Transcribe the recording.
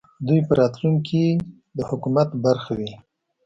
دوی په راتلونکې کې د حکومت برخه وي